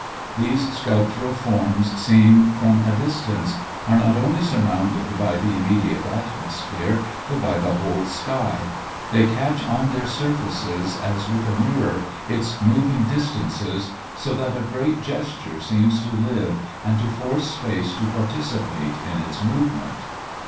These sculptural forms seen from a distance are not only surrounded by the immediate atmosphere, but by the whole sky; they catch on their surfaces as with a mirror its moving distances so that a great gesture seems to live and to force space to participate in its movement.